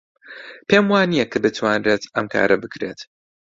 پێم وانییە کە بتوانرێت ئەم کارە بکرێت.